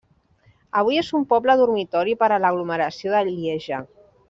Avui és un poble dormitori per a l'aglomeració de Lieja.